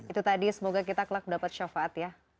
itu tadi semoga kita kelak dapat syafaat ya